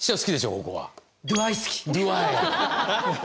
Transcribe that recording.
ここは。